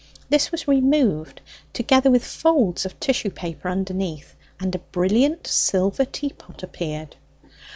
This was removed, together with folds of tissue paper underneath; and a brilliant silver teapot appeared.